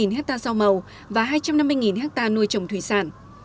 ba trăm linh hectare rau màu và hai trăm năm mươi hectare nuôi trồng thủy sản